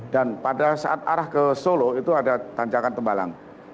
dan pada saat arah ke solo itu ada tanjakan tembalang